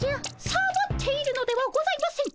サボっているのではございません。